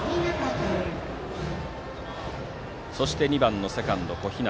そして２番のセカンド小日向。